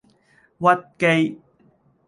屈機